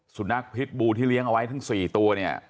สุนัขพิษบูที่เลี้ยงเอาไว้ทั้ง๔ตัวเนี่ย